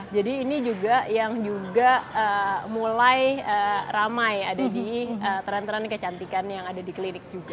jadi ini juga yang juga mulai ramai ada di trend trend kecantikan yang ada di klinik juga